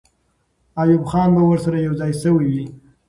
ایوب خان به ورسره یو ځای سوی وي.